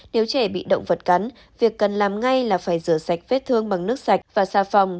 nếu trẻ bị động vật cắn việc cần làm ngay là phải rửa sạch vết thương bằng nước sạch và xà phòng